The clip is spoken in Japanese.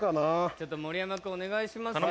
ちょっと盛山君お願いしますよ。